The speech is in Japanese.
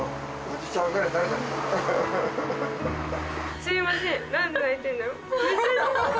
すみません。